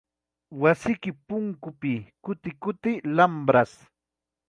Wasiki punkupi kuti kuti lambras.